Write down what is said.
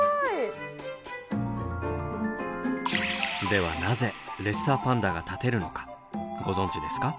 ではなぜレッサーパンダが立てるのかご存じですか？